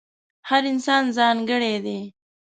هر انسان ځانګړی دی.